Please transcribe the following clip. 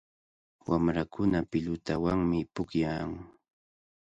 Wamrakuna pilutawanmi pukllan.